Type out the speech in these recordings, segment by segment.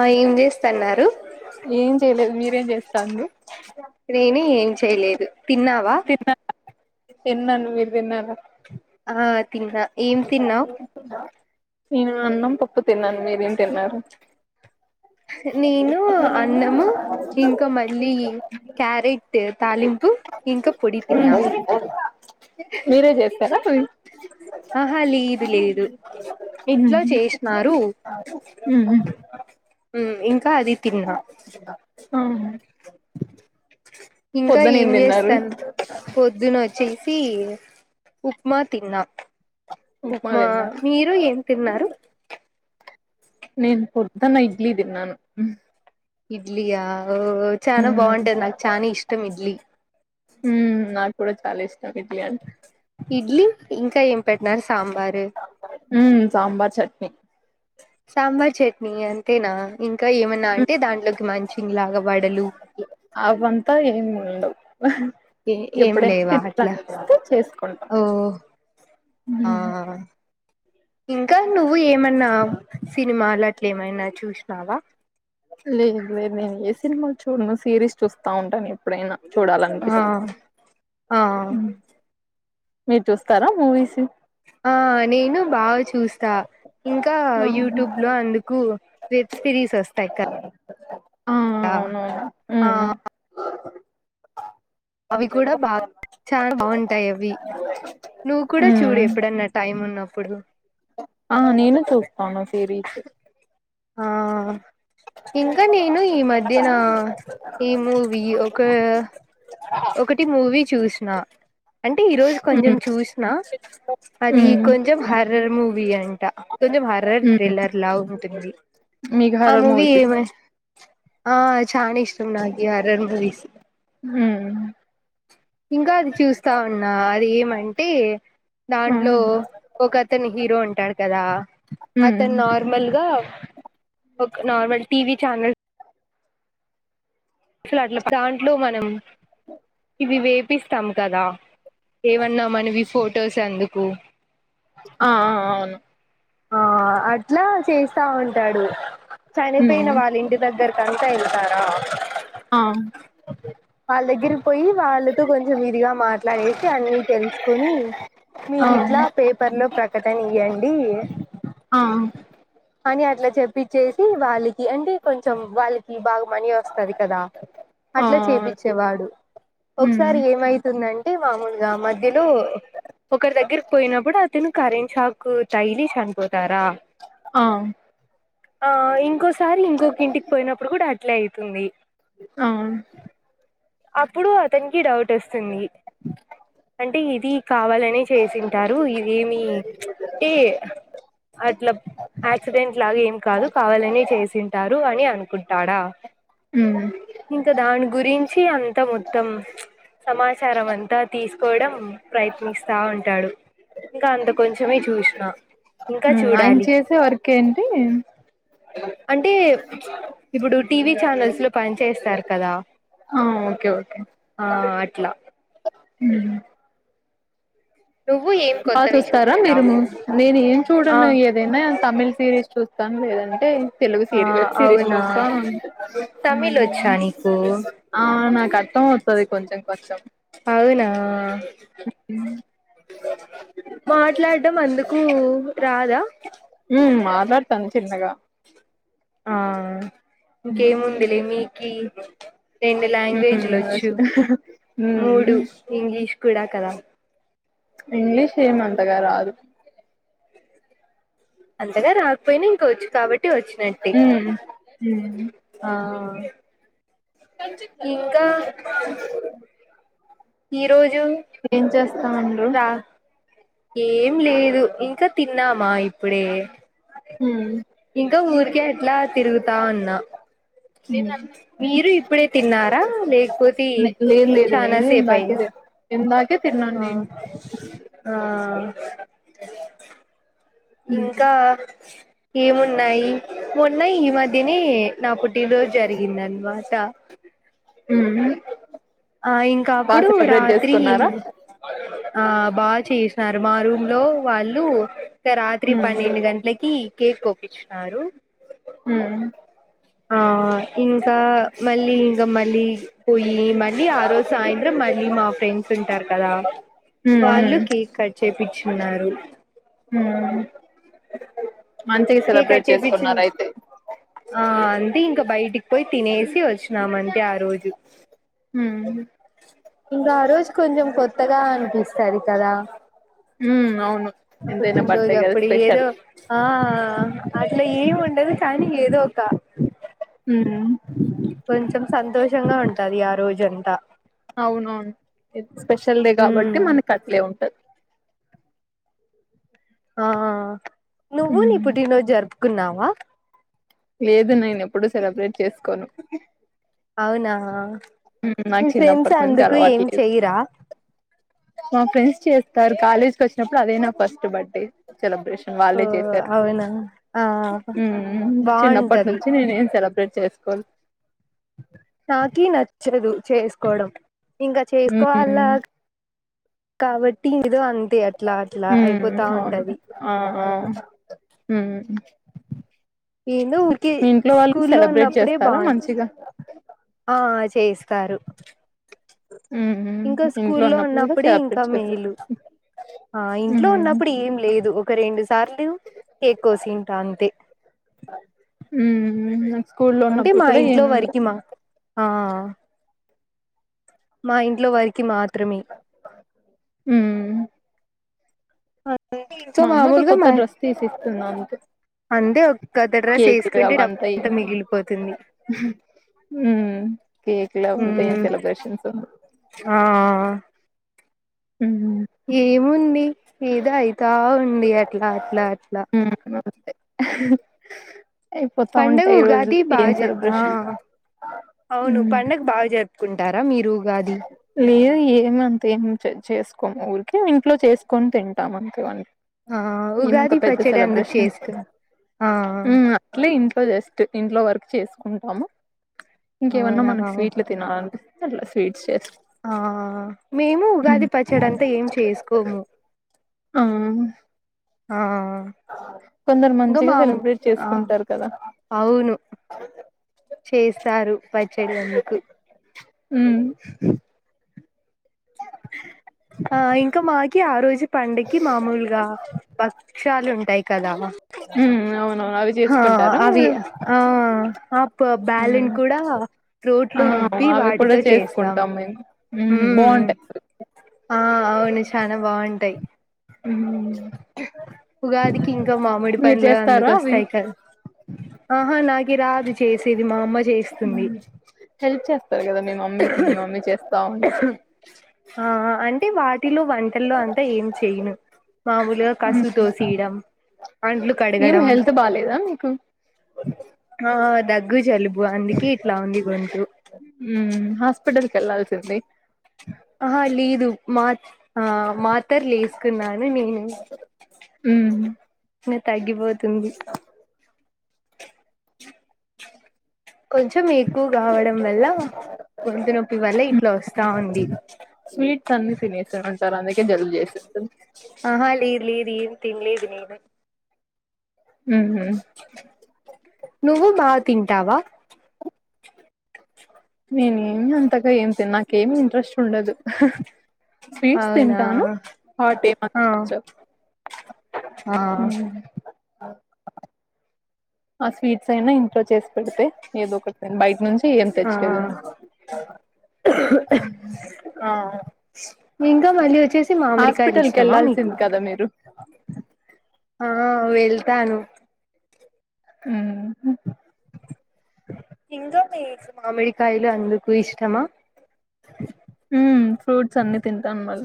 ఆ ఏం చేస్తన్నారు ఏం చేయలేదు మీరేం చేస్తాన్రు నేనే ఏం చేయలేదు తిన్నావా తిన్న నువ్వు తిన్నార ఆ ఏం తిన్నావ్ నేను అన్నం పప్పు తిన్నాను మీరేం తిన్నారు నేను అన్నము ఇంకా మళ్ళీ క్యారెట్ తాలింపు ఇంకా పొడి తిన్న మీరే చేస్తారా అవి ఆహా లేదు లేదు ఇంట్లో చేసినారు హు ఇంక్ అది తిన్నా ఆ ఇంకా పొద్దున ఏం తిన్నారు చేస్తాను పొద్దున వచ్చేసి ఉప్మ తిన్నా ఉప్మా మీరు ఏం తిన్నారు నేను పొద్దన్న ఇడ్లీ తిన్నాను ఇడ్లి య ఓ చానా బాగుంటది నాకు చానా ఇష్టం ఇడ్లీ ఉమ్ నాకు కూడా చాలా ఇష్టం ఇడ్లీ అంటే ఇడ్లీ ఇంకా ఏం పెట్టినారు సాంబారు ఉమ్ సాంబార్ చట్నీ సాంబార్ చట్నీ అంతేనా ఇంకా ఏమనా అంటే దాంట్లో మంచింగ్ లాగా వాడలు ఉండవ్ ఆహ్ ఎప్పుడైనా లేవా అట్లా తినాలనిపిస్తే చేసుకుంటాం ఓ ఆ ఇంకా నువ్వు ఏమన్నా సినిమాలు అట్లే ఏమైనా చూసినావా లేదు లేదు నేను ఏ సినిమాలు చూడను సిరీస్ చూస్తా ఉంటాను ఎప్పుడైనా ఆ చూడాలనిపిస్తే ఆ మీరు చూస్తారా మూవీస్ ఆ నేను బాగా చూస్తా ఇంకా యూట్యూబ్ లో అందుకు వేబ్స్ సిరీస్ వస్తాయి క ఆ అ అవునవును ఆ ఉమ్ అవి కూడా బా చానా బాగుంటాయి అవి నువ్వు కూడా చూడు ఉమ్ ఎప్పుడన్నా టైం ఉన్నప్ ప్పుడు ఆ నేను చూస్తాను సిరీస్ ఆ ఇంకా నేను ఈ మధ్యనా ఈ మూవీ ఒక ఒకటి మూవీ చూ చూష్నా అంటే ఈరోజు కొంచెం చూసిన అది ఉమ్ కొంచెం హర్రర్ మూవీ అంట కొంచెం హర్రర్ ఉమ్ థ్రిల్లర్ లా ఉంటుంది మీకు ఆ హారర్ మూవీ మూవీస్ ఇస్ ఏమ ఆ చానా ఇష్టం నాకు హర్రర్ మూవీస్ ఉ ఇంకా అది చూసి తన్నా అది ఏమంటే దాంట్లో ఉమ్ ఒక అతని హీరో అన్ ట్టాడు కదా ఉమ్ అతను నార్మల్గా ఒక నార్మల్ టీవీ చానల్ సల అట్లా దాంట్లో మనం ఇవి వేపిస్తాం కదా ఏమన్నా మనవి ఫొటోస్ ఎందుకు ఆ ఆ అవును ఆ అట్లా చేస్తావుంటాడు ఉమ్ చనిపోయిన వాళ్ళ ఇంటి దగ్గరకి అంతా వెళ్తారా ఆ వాళ్ళ దగ్గరి పోయి వాళ్ళతో కొంచెం ఇదిగా మాట్లాడేసి అన్ని తెలుసుకుని ఆ మీరు ఇట్లా పేపర్ లో ప్రకటన ఇయ్యండి ఆ అని అట్లా చెప్పిచ్చేసి వాళ్ళకి అంటే కొంచెం వాళ్ళకి బాగా మనీ వస్తది కదా ఆ అట్లా అవును. చేపిచ్చేవాడు ఉమ్ ఒకసారి ఏమైతుందంటే మామూలుగా మధ్యలో ఒకరి దగ్గరికి పోయినప్పుడు అ తిను కరెంట్ షాక్ తగిలి చనిపోతారా అ ఆ ఇంకొస్ సారి ఇంకొక ఇంటికి పోయినప్పుడు కూడా అట్లే అయి తుని ఆ అప్పుడు అతనికి డౌట్ వస్తుంది అంటే ఇది కావాలనే చేసింటారు ఇదేమి అంటే అట్లా యాక్సిడెంట్ లాగా ఏమి కాదు కావాలనే చేసింటారు అని అ కుంటాడా ఉమ్ ఇంకా దాని గురిం వచ్చి అంత మొత్తం సమాచారం అంతా తీసుకోవడం ప్రయత్నిస్తా ఉంటాడు ఇంకా అంత కొంచమే చూసిన ఇంకా ఉమ్ ఆయన చూడాలి చేసే వర్క్ ఏంటి [unintelligible] అంటే ఇప్పుడు టీవీ ఛానల్స్ లో పని చేస్తారు కదా ఆ ఓకే ఓకే ఆ అట్లా ఉమ్ నువ్వు ఏం బా కొత్తవి చూస్తారా చూడలేదా మీరు నేను ఏం ఆ చూడను ఏదైనా తమిళ్ సిరీస్ చూస్తాను లేదంటే తెలుగు ఆ సిరి వెబ్ సిరీస్ అవునా చూస్తాను తమిళ్ వచ్చా ఉమ్ నీకు ఆ నాకు అర్థం అవుతది కొంచెం కొంచెం అవునా ఉమ్ మాట్లాడడం అందుకు రాదా ఉమ్ మాట్లాడతాను చిన్నగా ఆ ఇంకేముందిలే మీకి బ్ర రెండు లాంగ్వేజ్ లు వచ్చు ఉమ్ మూడు ఇంగ్లిష్ కూడా కదా ఇంగ్లీష్ ఏమంతగా రాదు అంతగా రాకపోయినా ఇంక వచ్చు కాబట్టి టి వచ్చినట్టు ఉమ్ ఉమ్ ఆ ఇంకా ఈరో ఏం చేస్తా ఉండు ఏం లేదు ఇంకా తిన్నామా ఇప్పుడే ఉమ్ ఇంకా ఊరు కేట్లా తిరుగుతా ఉన్నా ఉమ్ మీరు ఇప్పుడే తిన్నారా లేకపోతే లేదు లేదు నేను చనాాసేపు అయి ఇందాకే తిన్ ఇందాకే తిన్నాను నేను ఆహ ఆ ఉమ్ ఇంకా ఏమున్నాయి మొన్న ఈ మధ్యనే నా పుట్టినా రోజు జరిగింది అనమాట అహ హ్మ్ ఆ ఇంక అప్పుడు రాత్రి ఆ బాగా చేసినారు మా రూమ్ హలో వాళ్ళు రాత్రి హ్మ్ పన్నెండు గంటలకి కేక్ కోపిచినారు హ్మ్ ఆ ఇంకా మళ్ళీ ఇంకా మళ్ళీ పోయి మళ్ళీ ఆ రోజు సాయంత్రం మళ్ళీ మా ఫ్రెండ్స్ ఉంటారు కదా హ్మ్ వాళ్ళు హ్మ్ కేక్ కట్ చేయిచ్చ ఉన్నారు హ్మ్ మంచిగా సెలబ్రేట్ కేకట్ చేసుకున్నారు చేయిించింది అయితే ఆ అంతే ఇంకా బయటికి పోయి తిన ఏసీ వచ్చిన మన ఆ రోజు హ్మ్ ఇంకా ఆ రోజు కొంచెం కొత్తగా అనిపిస్తంది కదా హ్మ్ అవును ఎంతైనా పుట్టినరోజు బర్త్డే కదా అప్పుడు ఏదో స్పెషల్ ఆ అట్లా ఏమి ఉండదు కానీ ఏదు ఓక్కా ఉమ్ కొంచెం సంతోషంగా ఉంటది ఆ రోజు అంతా అవునవును స్పెషల్డే కాబట్టి ఉమ్ మనకి అట్లే ఉంటది ఆ నువ్వు నీ హ్మ్ పుటినోజ జర్పు కున్నావా లేదు నేను ఎప్పుడు సెలబ్రేట్ చేసుకోను అవునా హ్మ్ మీ నాకు ఫ్రెండ్స్ చిన్నప్పటి నుంచి అందుకు అలవాటు ఏం లేదు చెయ్యరా మా ఫ్రెండ్స్ చేస్తారు కాలేజ్కి వచ్చినప్పుడు అదేనా ఫస్ట్ బడ్డే సెలబ్రేషన్ ఓ వాళ్ళే చేశారు అవునా ఆ ఉమ్ చిన్నప్పటి బాగుంటది నుంచి నేనేం సెలబ్రేట్ చెస్ కొల్ నాకి నచ్చదు చేసుకోవడం ఇంకా చేసుకోవాళ్ళ హ్మ్ కావట్టి ఇదో అంతే అట్లా అట్లా హ్మ్ అయిపోతా అవును ఉంటది ఆ ఆ హ్మ్ ఏందో ఉర్కే మీ ఇంట్లో వాళ్ళు స్కూల్లో సెలబ్రేట్ ఉన్నప్పుడే చేస్తారా బాగుంట మంచిగా ఆ చేస్తారు హ్మ్ హ్మ్ ఇంకా స్కూ ఇంట్లో లో ఉన్నప్పుడు కూడా ఉన్నప్పుడే ఇంకా సెలబ్రేట్ చేస్తారు మేలు ఆ ఇంట్లో హ్మ్ ఉన్నప్పుడు ఏం లేదు ఒక రెండు సార్లివ్ కేకుకోసింటా అంతే ఉమ్ ఉమ్ నాకు స్కూల్ లో అంటే ఉన్నప్పుడు మా కూడా ఇంట్లో ఏముండద్ వరకి మా ఆ మా ఇంట్లో వారికి మాత్రమే ఉమ్ అంటే ఇంకా మా అమ్మకు ఒక మామూలుగా కొత్త మా డ్రెస్ తీసిస్తుంది అంతే అంతే ఒక కథ డ్రెస్ కేక్లు వేసుకుంటే డబ్బు అంతా అవంతఎం మిగిలిపోతుంది కేక్లు అంతా ఉమ్ సెలబ్రేషన్స్ ఉ ఆ ఏముంది కి ఏదో అయితే గా ఉంది అట్లా అట్లా అట్లా హ్మ్ అయిపోతా పండగ ఉంటాయి ఉగాది రోజులు ఏం బాజ ఆ సెలబ్రేషన్ అవును హ్మ్ పండగ బా జర్ కుంటారు మీరు ఉగాది ఏమీ అంత ఏం చేసుకోము ఊరికే ఇంట్లో చేసుకొని తింటాం అంతే వన్ ఆ ఏమంత ఉగాది పెద్ద పచ్చడి అందుకు సెలబ్రేషన్స్ చేసుకుని ఆ ఉ అట్లే ఇ దొ జస్ట్ ఇంట్లో వర్క్ చేసుకుంటాము ఇంకేమన్నా అవునా మనకు స్వీట్లు తినాల ఆ గ్లాస్ స్వీట్స్ చేసు ఆ మేము ఉగాది పచ్చాడంతా ఏం చేసుకోము ఆహ ఆ కొందరు ఇంకా మంచిగా మా అమ్ సెలబ్రేట్ ఆ చేసుకుంటారు కదా అవును చేస్తారు పచ్చడి అందుకు మ్మ్ ఆ ఇంకా మాకి ఆ రోజు పండకి మామూలుగా భక్ భక్షాలు ఉంటాయి కదా మ్మ్. అవునవును అవి హా చేసుకుంటారా అవి మీరు ఆ ఆ బ్యాలెన్ మ్మ్. కూడా ఆ రోట్లు రుబ్బి అవి కూడా వాటితో చేస్తాం చేసుకుంటాం మేము మ్మ్ ఉమ్ బాగుంటాయి ఆ అవును చాలా బాగుంటాయి. మ్మ్ ఉగాదికి ఇం ఇంకా మామిడి మీరు పండ్లు చేస్తారా అందుకు అవి వస్తాయి కదా ఆహా నా రాదు చేసేది మా అమ్మ చేస్తుంది హెల్ప్ చేస్తారు కదా మీ మమ్మీకి మీ మమ్మీ చేస్తా ఉంటే ఆ అంటే వాట్ వటిలో వంటలో అంటె ఏం చేయను మామూలుగా కసులు తోసియడం అండ్లు ఏం కడగడం హెల్త్ బాలేదా మీకు అ దగ్గు గ్గు జలుబు అందుకే ఇట్లా ఉంది గొంతు స్పిటల్కి వెళ్ళాల్సింది ఆహా లేదు మాత్ ఆ మాత్రర్ లేసుకున్నాను మ్మ్. నేను తగిపోద్ తుంది కొంచం మీ ఎక్కువ కావడం వల్ల గొంతు నొప్పి వల్ల ఇట్లా వస్తా ఉంది స్వీట్స్ అన్ని తినేసి ఉంటారు అందుకే జలుబు చేసింటుంది ఆహా లేదు లేదు ఏం తినలేదు నేను ఉహు నువ్వు బా తింటావా నేన్ [unintelligible] త్తగా ఏ నాకేమి ఇంట్రెస్ట్ ఉండదు. హా స్వీట్స్ అవునా తింటాను హాట్ ఏం అంత ఆ నచ్చావ్ ఆ హ్మ్ ఓ. ఆ స్వీట్స్ ఏనా ఇం. లో చేసి పెడితే, ఏదో ఒకటి న బయట నుంచి ఏం ఆ తెచ్చేది ఉండదు. ఆ ఇంకా మళ్ళీ వచ్చేసి మామిడికాయలు హాస్పిటల్ క ఇష్టమా మీకు వెళ్లాాల్సింది కదా మీరు? ఆ వెళ్తాను. హ్మ్ ఇంగ మికు మామిడి కాయలు అందుకు ఇష్టమా? హ ఫ్రూట్స్ అన్ని తింటాను మళ్ళ.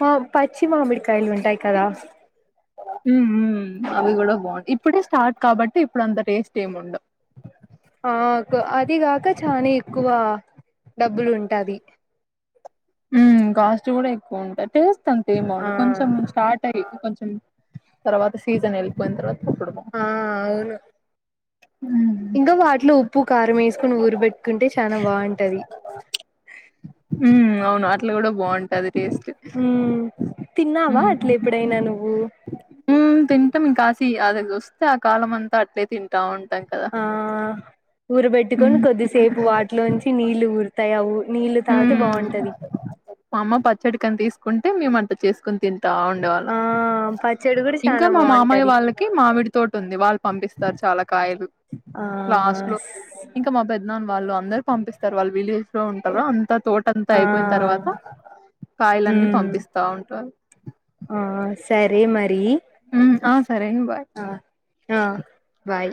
ప పచ్చి మామిడికాయలు ఉంటాయి కదా ఉ ఉ అవి కూడా బాగుం ఇప్ ఇప్పుడే స్టార్ట్ కాబట్టి ఇప్పుడు అంత టేస్ట్ ఏమిండవు ఆ అదిగాక చానా ఎక్కువ డబ్బులు ఉంటది హ కాస్ట్ కూడా ఎక్కువ ఉంట. టేస్ట్ అంతే ఆ ఏమవుందు కొంచెం స్టార్ట్ అయ్యి కొంచ తర్వాత సీజన్ వెళిపోయినా తర్వాత అప్పుడు బా ఆ అవును ఇంకా వాటిలో ఉప్పు కా కరం వేసుకుొని ఊరు పెెట్టుకుంటే చానా బాగుంటది ఉ అవును అట్లు కూడా బాగుంటుది టేస్ట్ తిన్నావా హ్మ్. అట్ల హ్మ్. ఎప్పుడైనా నువ్వు? తింటాం కాశీ అదిగగ వస్తే ఆ కాలం అంతా అట్లే తింటా ఉ ఆ ఊరుబెట్టుకొని హ్మ్. కొద్దిసేపు వాటిలోంచి నీళ్లు ఊరుతాయి ఆ ఊ. హ్మ్ మామ్మ పచ్చడికని తీస్ కుంటే మేమ అంత చేసుకుని తిం ా ఆ ఉండేవాళ్ళం. పచ్చడి కూడా ఇంకా చానా మా మామయ్య బాగుంటది వాళ్ళకి మామిడి తటి ఉంది వాళ్ళు పంపిస్త స్తారు చాలా కాయలు. ఆ లాస్ట్ లో ఇంకా మా పెద్దనాన వాళ్ళు అందరు పంపిస్తారు వాళ్ళ విలేజ్ లో అంతా తోట అంతా ఆ అయిపోయిన తర్వాత కాయలన్నీ ఉమ్ పంపిస్తా ఉంటారు. అరే మరి ఆఫ్ ఆ ఆ బాయ్